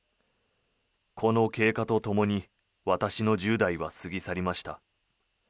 この経過とともに私の１０代は過ぎ去りました。